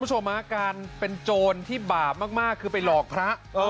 คุณผู้ชมฮะการเป็นโจรที่บาปมากคือไปหลอกพระ